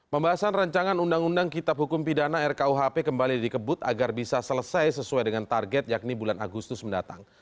pembahasan rancangan undang undang kitab hukum pidana rkuhp kembali dikebut agar bisa selesai sesuai dengan target yakni bulan agustus mendatang